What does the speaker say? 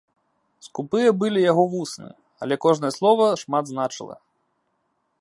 Скупыя былі яго вусны, але кожнае слова шмат значыла.